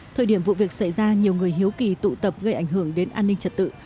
thời điểm vụ việc xảy ra nhiều người hiếu kỳ tụ tập gây ảnh hưởng đến an ninh trật tự